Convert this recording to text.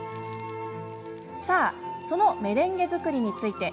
さあ、そのメレンゲ作りについて。